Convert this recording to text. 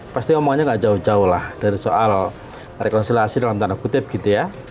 pasti omongannya gak jauh jauh lah dari soal rekonsiliasi dalam tanda kutip gitu ya